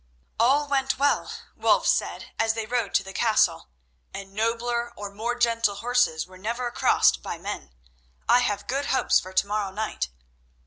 "All went well," Wulf said as they rode to the castle, "and nobler or more gentle horses were never crossed by men. I have good hopes for to morrow night."